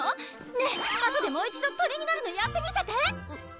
ねぇあとでもう一度鳥になるのやってみせて！